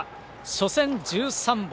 初戦１３本。